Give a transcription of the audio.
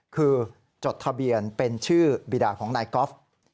คือจดทะเบียนเป็นชื่อบีดาของนายกอล์ฟ